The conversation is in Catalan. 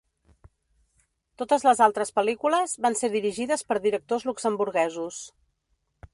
Totes les altres pel·lícules van ser dirigides per directors luxemburguesos.